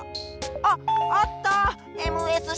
あっあった！